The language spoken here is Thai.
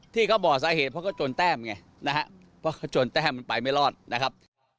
ที่เขาบอกสาเหตุเพราะก็จนแต้มไงนะฮะเพราะเขาจนแต้มมันไปไม่รอดนะครับ